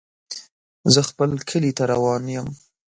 زه خپل کلي ته روان يم.